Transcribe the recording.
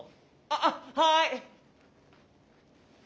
あっはい！